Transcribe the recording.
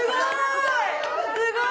すごい！